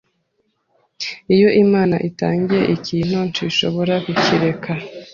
Iyo Imana itangiye ikintu ntishobora kukireka ,